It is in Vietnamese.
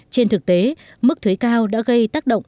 trên thực tế mức thuế cao đã gây tác động